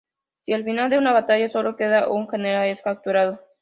Si al final de una batalla solo queda un General, es capturado.